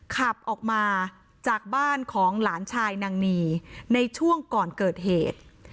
ขับออกมาจากบ้านของหลานชายนางนีในช่วงก่อนเกิดเหตุ